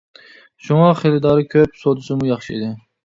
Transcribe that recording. شۇڭا خېرىدارى كۆپ، سودىسىمۇ ياخشى ئىدى.